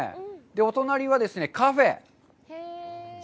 お隣はカフェ。